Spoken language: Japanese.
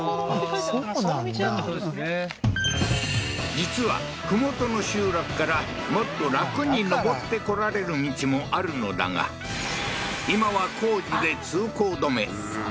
実は麓の集落からもっと楽に上ってこられる道もあるのだが今は工事で通行止め